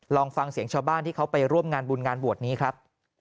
ลองฟังเสียงชาวบ้านที่เขาไปร่วมงานบุญงานบวชนี้ครับ